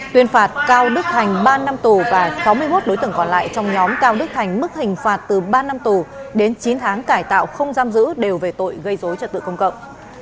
tuyên phạt cao đức thành ba năm tù và sáu mươi một đối tượng còn lại trong nhóm cao đức thành mức hình phạt từ ba năm tù đến chín tháng cải tạo không giam giữ đều về tội gây dối trật tự công cộng